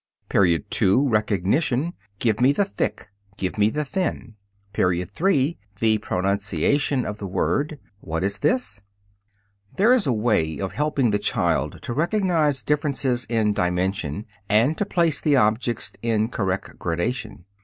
Period 2. Recognition. "Give me the thick. Give me the thin." Period 3. The Pronunciation of the Word. "What is this?" There is a way of helping the child to recognize differences in dimension and to place the objects in correct gradation.